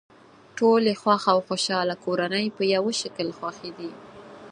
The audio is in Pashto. ټولې خوښ او خوشحاله کورنۍ په یوه شکل خوښې دي.